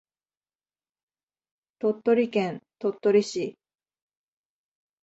鳥取県鳥取市